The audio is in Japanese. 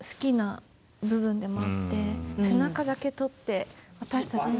背中だけ撮って私たちに。